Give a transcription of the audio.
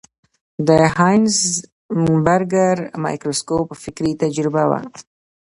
د هایزنبرګر مایکروسکوپ فکري تجربه وه.